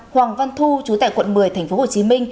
hoàng văn thu chú tại quận một mươi tp hcm